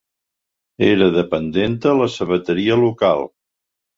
Era dependenta a la sabateria local